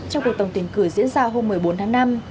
trong cuộc tổng tuyển cử diễn ra hôm một mươi bốn tháng năm